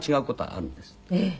ええ。